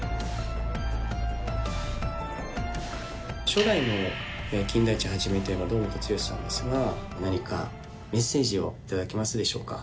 初代の金田一一といえば堂本剛さんですが何かメッセージを頂けますでしょうか。